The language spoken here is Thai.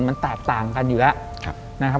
มันต่างกันอยู่แล้ว